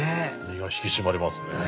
身が引き締まりますね。